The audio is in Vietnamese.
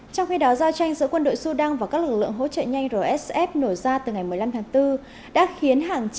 trong khi đó giao tranh giữa quân đội sudan và các lực lượng hỗ trợ nhanh rsf nổ ra từ ngày một mươi năm tháng bốn